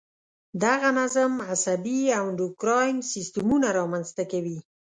دغه نظم عصبي او انډوکراین سیستمونه را منځته کوي.